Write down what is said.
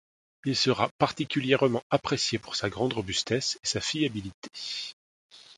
Il sera particulièrement apprécié pour sa grande robustesse et sa fiabilité.